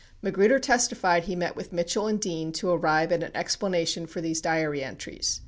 Magruder testified he met with Mitch ell and Dean to arrive at an explanation for these diary entries.